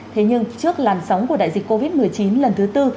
thế nhưng trước làn sóng của đại dịch covid một mươi chín lần thứ tư